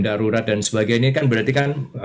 darurat dan sebagainya kan berarti kan